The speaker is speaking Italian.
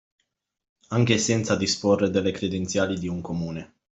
Anche senza disporre delle credenziali di un comune.